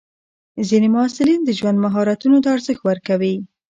ځینې محصلین د ژوند مهارتونو ته ارزښت ورکوي.